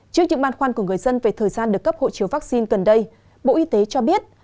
trước những băn khoăn của người dân về thời gian được cấp hộ chiếu vaccine gần đây bộ y tế cho biết